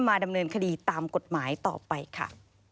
ดำเนินคดีตามกฎหมายต่อไปค่ะ